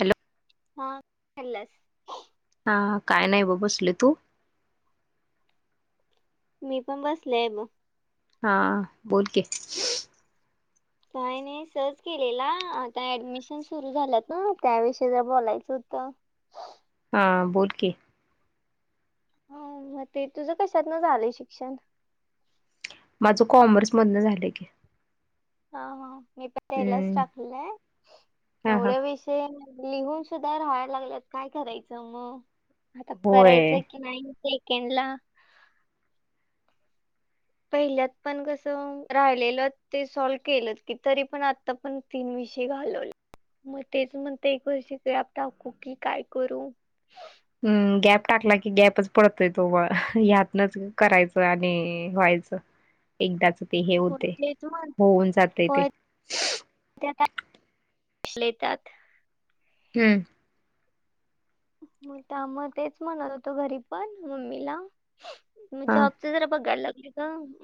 Hello. हां. [unintelligible] हां. काय नाही बघ बसले. तू? मी पण बसलेय म. हां. बोल की. काही नाही. सहज केलेला. आता ऍडमिशन सुरू झाल्यात ना? त्याविषयी जरा बोलायचं होत. हां. बोल की. हं. म ते तुझं कशातन झालंय शिक्षण? माझं कॉमर्स मधन झालय की. हां. हां. मी पण तेलाच हम्म टाकलेलाय. हा हा एवढं विष - ते लिहून सुद्धा राहाय लागलेत. काय करायचं म? आता होय करायचंय की- नाही सेकंडला. पहिल्यात पण कस? राहिलेलं ते सॉल्व केलत की. तरी पण आत - -त्ता पण तीन विषय घालवले. मग तेच म्हणते. एक वर्षी गॅप टाकू की काय करू? हम्. गॅप टाकला की गॅपच पडतोय तो [unintelligible] ह्यातनच करायचं आणि व्हायचं. एकदाच ते हे हो होते. तेच म्हण होऊन जातय होय ते. [unintelligible] हम्म. म त्यामुळे तेच म्हणायलो होतो घरी पण मम्मीला म्हणजे म हा जॉ - अस जरा बघायला लागले ग.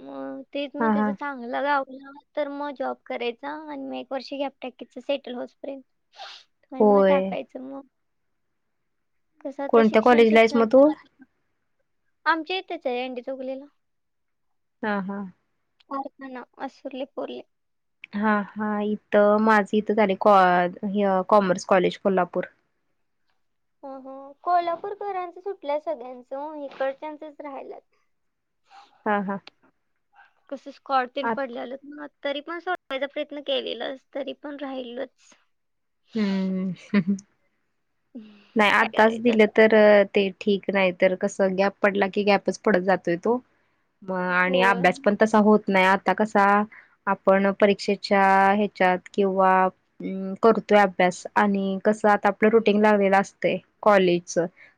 म तेच हा मग ते हा ज चांगलं गावल - तर मग जॉब करायचा. आणि म एक वर्ष गॅप टाकायचा सेटल होइसपर्यंत. आणि मग होय टाकायचं मग. कसं आता कोणत्या शिक्षण कॉलेजला आहेस मग शिक्षण, तू [unintelligible] आमच्या इथंच आहे एंडी चौकलीला. हां. हां. [unintelligible] हां. हां. इथं माझं इथं झाले कॉ कॉमर्स कॉलेज कोल्हापूर. हो. हो. कोल्हापूरकरांचं सुटलंय सगळ्यांचं. इकडच्यांचच राहिलयेत. ह हां. हां. कस स्कॉर्टिन पडलेल्यात ना? तरी पण अस - याचा प्रयत्न केलेलाएस. तरी पण राहिलच. हम्म. नाही काय आत्ताच करायचं दिलं आता? तर ते- ठीक. नाही तर कस? गॅप पडला की गॅपच पडत जातोय तो. म आणि होय. अभ्यास पण- असा होत नाही. आता कसा? आपण परीक्षेच्या ह्याच्यात किंवा अं - करतोय अभ्यास, आणि कसं आता आपलं रुटीन लागलेलं असतय, कॉलेजच.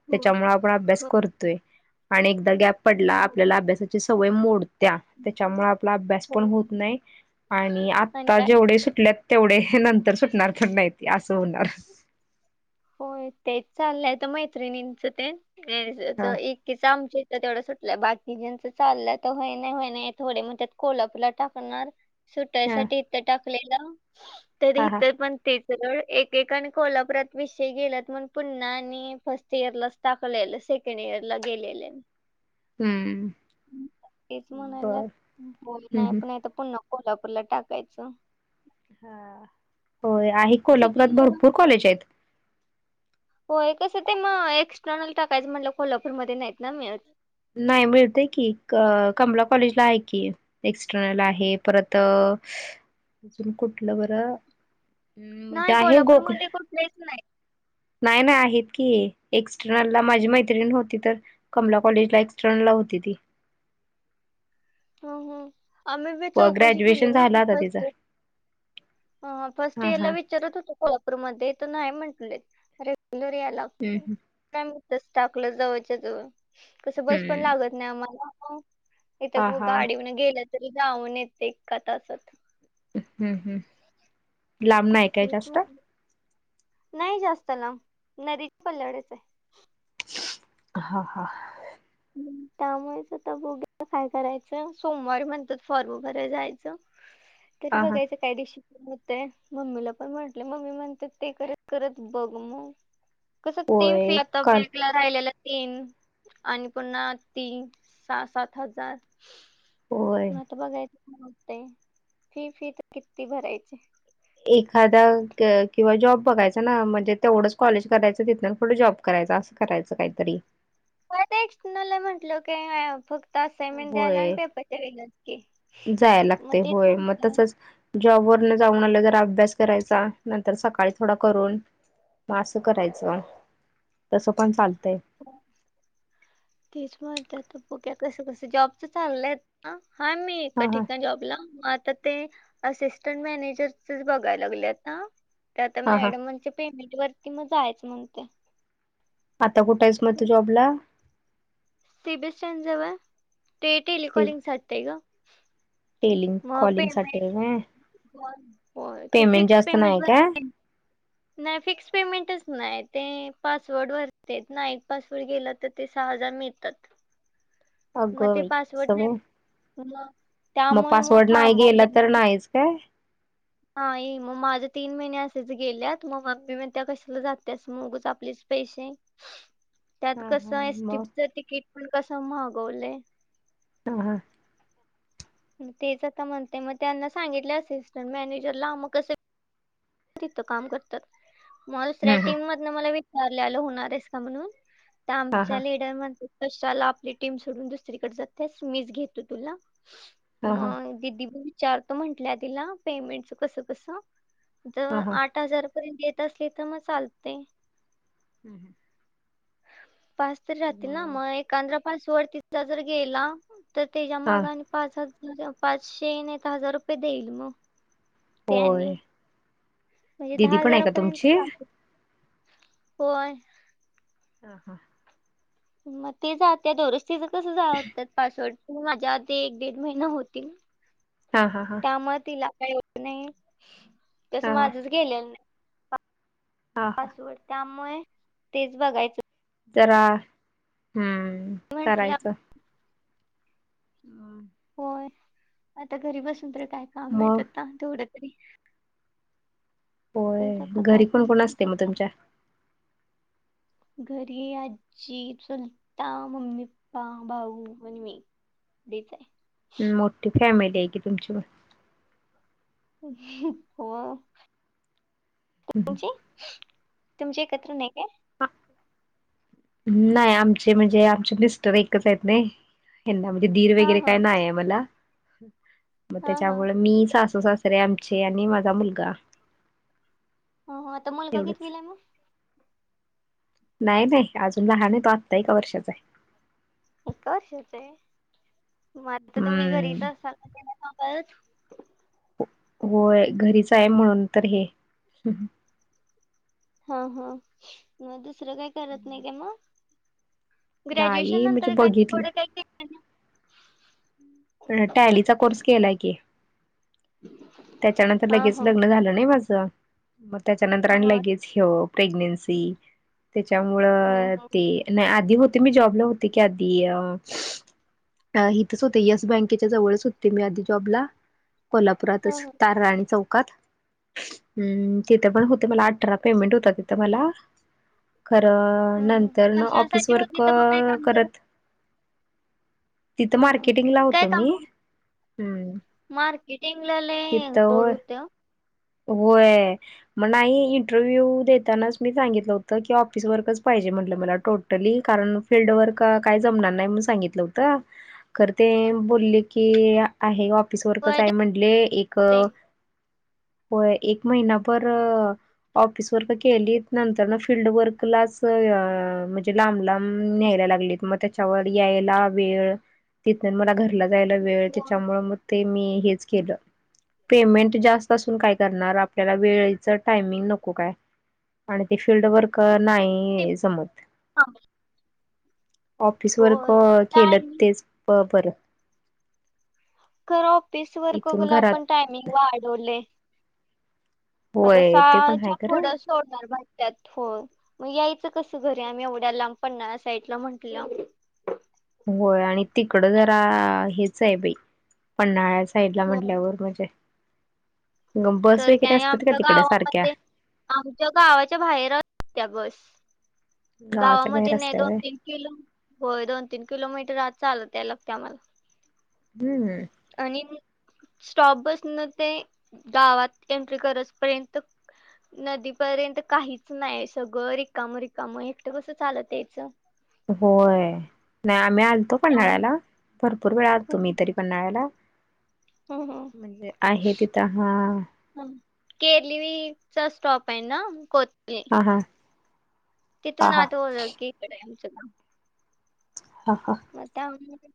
होय. त्याच्यामुळं आपण अभ्यास होय. करतोय, आणि एकदा गॅप पडला, होय. आपल्याला अभ्यासाची सवय मोडऽ त्या, त्याच्यामुळं आपला अभ्यास पण होत होय. नाही, आणि आता जेवढे सुटल्यातऽ तेवढे नंतर सुटणार पण नाहीती, असं होणार. होय तेच चाललंय तर मैत्रिणींच तेन,, हेच हा एकऽ किच आमच्या इथं तेवढं सुटलंय,, बाकीजचं चाललंय तर होय नाही होय नाही, थोडे म्हणत्यात कीऽ कोल्हापुर ला टाकणार,, हा सुटायसाठी इथं टाकलेलं, तर हा हा इथ पण तेच. सरळ, एकेकानी कोल्हापुरातऽ विषय गेल्यात म्हणुन पुन्हा आणि फर्स्ट इयरलाच टाकलेलं सेकंड इयर ला गेलेले. हम्म तेच म्हणायलात,, बर बोल हम्म नाही हम्म. पण तर पुन्हाऽ कोल्हापूरला टाकायचं. हा होय, आहे कोल्हापुरात सिटीला भरपूर कॉलेज आहेत. होय, कसं ते मग एक्सटर्नल टाकायचं म्हटलं कोल्हापूरमध्ये नाहीत ना मिळत,. नाही मिळतय की, कमला कॉलेजला आहे की. एक्सटर्नल आहे, परत अजून कुठलं बरं? हम् म्हणजे आहे गोकऽ तेच नाही. नाही नाही आहेत की,, एक्स्टर्नल ला माझी मैत्रिण होती तर. कमला कॉलेज ला एक्स्टर्नल ला होती ती. हं हं, आम्ही बी प- चौकशी केली ग्रॅज्युएशन ना झालं आता तिचं फस्टऽ हं फर्स्ट हा इयरला हा विचारत होते कोल्हापूरमध्ये, तर नाही म्हंटले, रेग्युलर हम्म यालागतयऽ हम्म इथंच टाकलं जवळच्या जवळ, कसं बस पण हम्म. लागतऽ नाही मला हा इथं, हा गाडी वन गेलं तरी जाऊन येतय एका तासात. हम्म हम्, लांब नाहीय काय तेच जास्त? मग नाही जास्त लांब,, नदीच्या पल्याडच आहे. हा हा. हं, त्यामुळेचं आता बघूया काय करायचं, सोमवारी म्हणत्यात फॉर्म भरायला जायचं. तरी हा हा बघायचं काय दिवशीऽ हुतय,, मम्मीला पण म्हटलं, मम्मी म्हणते ते करत करत बघ मग. कसं ते होय तीन आता काल बॅकला राहिलेलं तीन. आणि पुन्हा ती, सहा सात हजार. होय मग आता बघायचं काय होतंय,, फी फी तर किती भरायची? एखादा किंवा जॉब बघायचा ना,, म्हणजे तेवढंच कॉलेज करायचं तिथंन पुढं जॉबऽ करायच असं करायचं काहीतरी. होय ते एक्स्टर्नल म्हंटल्यावर काऐ फक्तऽ असाईनमेंट द्यायला आणि होय पेपरच्या वेळेलाच की, मग तेच म्हटलं. जॉब वरन जाऊन आल्यावर जरा अभ्यास करायचा, नंतर सकाळी थोडा करून. मग असं करायचं, तस पण चालतंय. तेच म्हणत्या आता, बघूया आता कस कसं, जॉबच चाललंयऽ हाय मी एका हा हा ठिका जॉबला,, मग आताऽ ते असिस्टंट मॅनेजरचेच बघायला लागले आहे आता. तर आता हा हा मॅडमांच्या पेमेंट वरती मग जायचं म्हणत्या. आता कुठे आहेस मग तू जॉब ला? सी बी एस स्टँड जवळ,, ते ते टेलिकॉलिंग साठी हाय ग. टेलिंग मग कॉलिंगसाठी पेमेंट होय,, होय ते पेमेंट फिक्स जास्त नाही पेमेंट काय? नाही फिक्स पेमेंटच नाही. ते पासवर्ड वरती आहेत ना? एक पासवर्ड गेला तर ते सहा हजार मिळतात. म अगं ते बाई पासवर्ड असं नाही व्हय मग- मग त्यामुळे पासवर्ड नाही गेला थांबवले तर मी नाहीच काय? नाही. मग माझ तीन महिने असेच गेल्यात. मग मम्मी म्हणतेया कशाला जातेयास मग उगच आपलेच पैसे- त्यात हा हा कसय, एस मग टीच तिकीट पण कस माहागवलंय. हा. हां. म तेच आता म्हणते. मग त्यांना सांगितलं असिस्टंट मॅनेजरला. म कसं - तिथं काम करत्यात. हा [unintelligible] मधन मला विचारल्यालं होणार आहेस का म्हणून. त हा हा आमच्या लीडर म्हणत्यात- कशाला आपली टीम सोडून दुसरीकडे जातेस. मिच घेतो तुला. हा हा मग- दिदी बी विचारतो म्हंटल्या तिला. पेमेंटच कसं कस? ज हा हा. आठ हजारपर्यंत देत असल तर मग चालतय. हं. हं. पाच तर राहतील ना? मग एखादा पासवर्ड तिथला जर गेला- तर त्याच्या हा माग आणि पाच हजार पाचशे नाही त हजार रुपये देईल मग. त्यानी होय. म्हणजे दिदी दहा पण आहे का हजारापर्यंत तुमची? जाते होय. हा. हां. म ती जातेया दररोज. तिचं कसं जात्यात पासवर्ड. माझ्या आधी एक दीड महिना होती. हां. हा. हां. म तिला काय एवढं नाही. तस हा हा माझच गेलेलं नाही. हा हा पासवर्ड. त्यामुळे तेच बघायचं. जरा, हम्म म्हंटलं करायचं. हम. होय. आता घरी बसून तरि काय काम येत मग आत्ता. म तेवढंच - तेच होय आत्ता काय घरी कोण कोण असते मग [unintelligible] तुमच्या? घरी आजी, चुलता, मम्मी पप्पा, भाऊ आणि मी. [unintelligible] मोट्ठी फॅमिली आहे की तुमची म. हो. तुमची? तुमची एकत्र नाही काय? हं. नाही. आमची म्हणजे आमचे मिस्टर एकच आहेत नाई. हेना म्हणजे दीर हा वगैरे हा काय नाही आहे मला. म हा हा त्याच्यामुळे मी सासू सासरे आमचे आणि माझा मुलगा. हां. हां. त मुलगा एवढंच. कितवीलाय मग? नाही नाही. अजून लहान आहे तो. आत्ता एका वर्षाचा आहे. एका वर्षाचाय? म आत्ता तुम्ही घरीच हम्म. असाल [unintelligible] होय. घरीच आहे म्हणून तर हे. हं. हं. म दुसरं काही करत नाही का म? ग्रॅज्युएशन नाही म्हणजे नंतर [unintelligible] थोडं बघितलं काही- टॅलीचा कोर्स केलाय की. त्याच्यानंतर हा लगेच हा लग्न झालं नाही माझं. मग त्याच्यानंतर हा आणि हा लगेच- हो. प्रेग्नन्सी. त्याच्यामुळ हा हा ते- नाही आधी होते. मी जॉबला होते की आधी अ - अ. इथच होते येस बँकेच्या जवळच होते मी आधी जॉबला. हा कोल्हापुरातच. राणी चौकात. हम् तिथं पण होते मला अठरा पेमेंट होता तिथं मला. खरं हा हा नंतर ऑफिस कशासाठी होती वर्क तर मग काय काम करत. तिथं हा हा मार्केटिंगला होतो मी हम्. मार्केटिंग ला. क तवर. त्या व आहे. मग नाही इंटरव्ह्यू देतानाच मी सांगितलं होतं की ऑफिस वरकच पाहिजे म्हटलं मला ट कारण फिल्ड वर्क काय जमणार नाही म्हणून सांगितलं होतं. खर ते बोलले की आहे ऑफिस वर्कच वय आहे म्हटले एक. ते होय एक महिना पर. ऑफिस वर्क केलीत नंतर म फिल््ड वर्कलाच म्हणजे लांब लांब न्यायला लागलीत. मग त्याच्यावर यायला वेळ तिथ मला घरला जायला वेळ होय त्याच्यामु मग ते मी हेच केलं पेमेंट जास्त असून काय. करणार आपल्याला वेळेच टायमिंग नको काय. आणि ते फिल््ड वर्कर नाही समत. हां ब ऑफिस वरक केलं टायमिंग तेच बर. खर ऑफिस वर्कला आपण टायमिंग वाढवले. आता सा होय ते पण आहे पुुड खरं सोडणार भट्ट्यात हो. मग यायचं कसं घर आम्ही एवढ्या लांब पन्नाळा साईडला म्हटलं. होय आणि तिकडं जरा हेच आहे बाई. पन्हाळ्या साईड ला हो म्हटल्यावर म्हजे तर त्या आमच्या तिकडे सारख्या गावामध्ये आमच्या गावाच्या बाहेरचत्या बस गावाच्या गावामध्ये बाहेर नाही असत्या दोन व्हय तीन किलो होय दोन तीन किलोमीटर आज चालत लगते आम्हाला. हम्म हम्. आणि स्टॉप पासन ते गावात एंट्री करतपर्यंत नदीपर्यंत काहीच नाही सगळं रिकामं रिकामं एकटं कसं चालत यायाचं? होय, नाही आम्ही आलतो हम्म पन्हाळ्याला भरपूर वेळ आलतो मी तरी. पन्हाळाला म्हणजे आहे तिथं हा. केरली चा स्टॉप आहे ना को ये हा हा हा तिथून हा आता की इकडे आहे आमचं नाव. ह का. मग त्यामुळे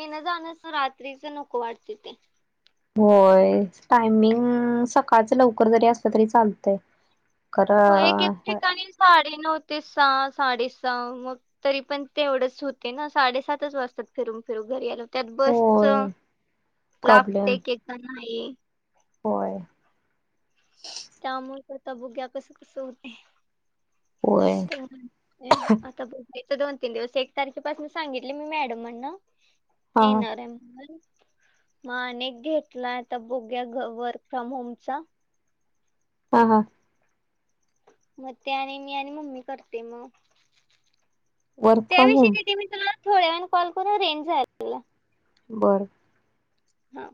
येन जाणस रात्रीच नको वाटते ते. होय टायमिंग सकाळच लवकर जरी असलं तरी चालतय. खरं. गाडी नव्हती सहा साडी सहा मग तरी पण तेवढंच होते ना साडेसातच वाजतात फिरून फिरून घरी आलं. त्यात बसच होय लागते प्रॉब्लेम एकेकदा नाही. होय. त्यामुळे करता बुगया कस कस होते? होय ए आता बघ तर दोन तीन दिवस एक तारखेपासून सांगितले मी मॅडम म्हण ना. हा येणारे म्हणून. मग अनेक घेतला आता! बघूया वर्क फ्रॉम होमचा! आ! हा! हां! ! मग ते आणि मी आणि मम्मी करते मग! वर्क फ्रॉम त्याविषयी होम दीदी मी, तुला थोड्यान वेळानं कॉल करून रेंज जाती बरं! ! हा! !